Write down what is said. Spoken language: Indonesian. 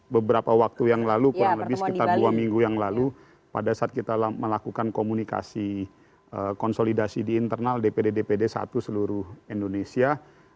beberapa waktu yang lalu kurang lebih sekitar dua minggu yang lalu pada saat kita melakukan komunikasi konsolidasi di internal dpd dpd satu seluruh indonesia